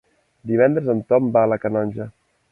Divendres en Ton va a la Canonja.